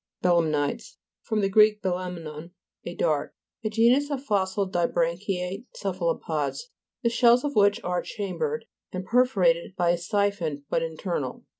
BELE'MNITES fr. gr. bekmnon, a dart. A genus of fossil dibranchiate cephalopods, the shells of which are chambered and perforated by a si phon, but internal.